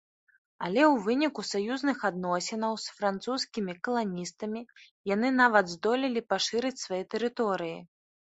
Але ў выніку саюзных адносінаў з французскімі каланістамі яны нават здолелі пашырыць свае тэрыторыі.